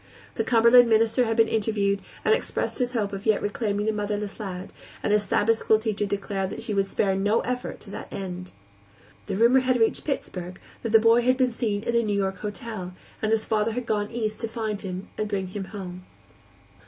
The Cumberland minister had been interviewed, and expressed his hope of yet reclaiming the motherless lad, and his Sabbath school teacher declared that she would spare no effort to that end. The rumor had reached Pittsburgh that the boy had been seen in a New York hotel, and his father had gone East to find him and bring him home.